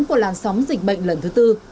của làn sóng dịch bệnh lần thứ bốn